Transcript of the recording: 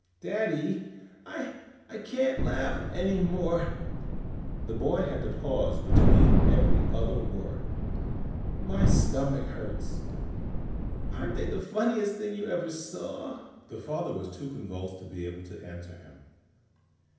"Daddy, I can't laugh any more," the boy had to pause between every other word. "My stomach hurts. Aren't they the funniest things you ever saw?" The father was too convulsed to be able to answer him.